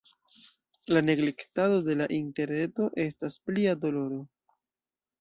La neglektado de la interreto estas plia doloro.